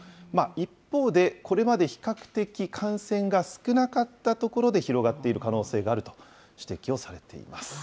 一方で、これまで比較的感染が少なかった所で広がっている可能性があると指摘をされています。